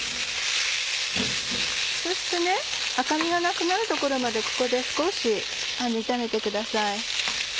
そして赤みがなくなるところまでここで少し炒めてください。